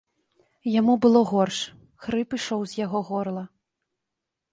Яму было горш, хрып ішоў з яго горла.